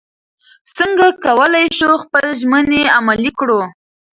څنګه کولی شو خپلې ژمنې عملي کړو؟